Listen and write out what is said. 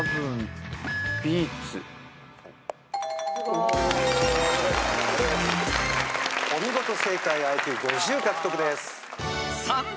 お見事正解ＩＱ５０獲得です。